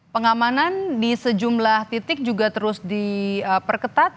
pengamanan di sejumlah titik juga terus diperketat